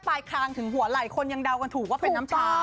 คางถึงหัวไหล่คนยังเดากันถูกว่าเป็นน้ำตา